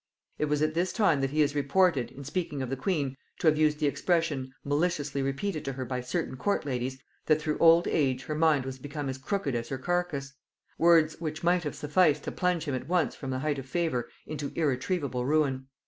It was at this time that he is reported, in speaking of the queen, to have used the expression, maliciously repeated to her by certain court ladies, that through old age her mind was become as crooked as her carcase: words which might have sufficed to plunge him at once from the height of favor into irretrievable ruin.